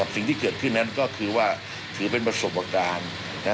สิ่งที่เกิดขึ้นนั้นก็คือว่าถือเป็นประสบการณ์